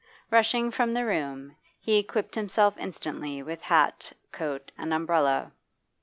Rushing from the room, he equipped himself instantly with hat, coat, and umbrella.